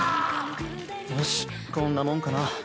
よしこんなもんかな。